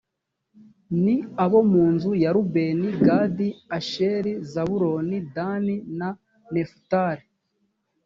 ni abo mu nzu ya rubeni, gadi, asheri, zabuloni, dani na nefutali.